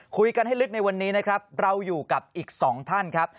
คุยกันให้ลึกในวันนี้นะครับเราอยู่กับอีกสองท่านครับ